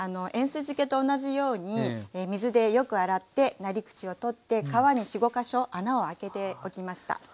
塩水漬けと同じように水でよく洗ってなり口を取って皮に４５か所穴をあけておきました。